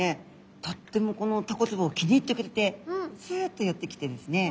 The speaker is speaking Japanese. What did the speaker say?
とってもこのタコつぼを気に入ってくれてスッと寄ってきてですね